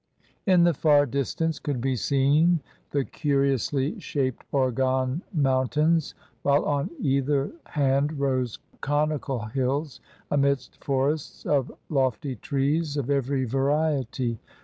In the far distance could be seen the curiously shaped Organ mountains, while on either hand rose conical hills amidst forests of lofty trees of every variety.